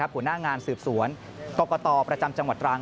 หัวหน้างานสืบสวนกรกตประจำจังหวัดตรัง